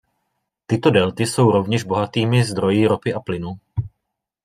Tyto delty jsou rovněž bohatými zdroji ropy a plynu.